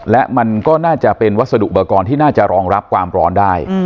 และมันก็น่าจะเป็นวัสดุอุปกรณ์ที่น่าจะรองรับความร้อนได้